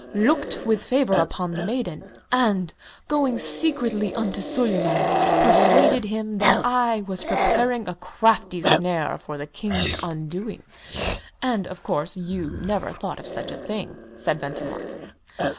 looked with favour upon the maiden, and, going secretly unto Suleyman, persuaded him that I was preparing a crafty snare for the King's undoing." "And, of course, you never thought of such a thing?" said Ventimore.